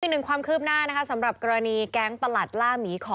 หนึ่งความคืบหน้านะคะสำหรับกรณีแก๊งประหลัดล่าหมีขอ